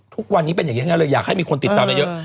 ทุกวันนี้เป็นอย่างนั้นเลยอยากให้มีคนติดตามเยอะ